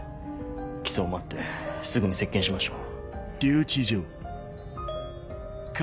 起訴を待ってすぐに接見しましょう。